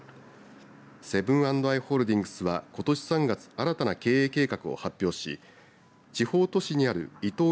セブン＆アイ・ホールディングスは、ことし３月新たな経営計画を発表し地方都市にあるイトー